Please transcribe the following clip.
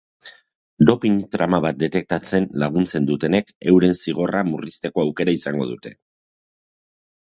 Dopin trama bat detektatzen laguntzen dutenek euren zigorra murrizteko aukera izango dute.